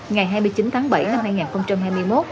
ngày hai mươi chín tháng bảy năm hai nghìn hai mươi một